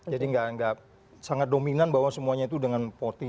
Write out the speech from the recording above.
jadi nggak sangat dominan bahwa semuanya itu dengan